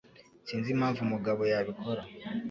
Sinzi impamvu mugabo yabikora